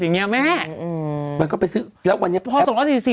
อย่างเงี้แม่อืมมันก็ไปซื้อแล้ววันนี้พ่อสองร้อยสี่สี่